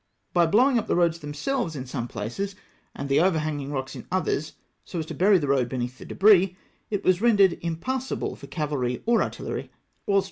By blowing up the roads them selves in some places, and the overhanging rocks in others, so as to bury the road beneath the debris, it was rendered impassable for cavahy or artillery, whilst CRUISE ON THE SPANISH COAST.